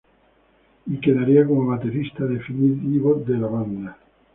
Y quedaría como baterista definitivo de la banda.